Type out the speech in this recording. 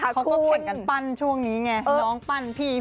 เราก็เห็นช่วงนี้ไง